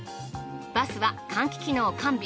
バスは換気機能完備。